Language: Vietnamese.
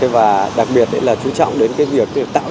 và đặc biệt là chú trọng đến việc tạo được tài khoản